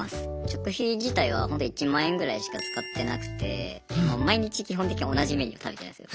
食費自体はホント１万円ぐらいしか使ってなくて毎日基本的に同じメニュー食べてます。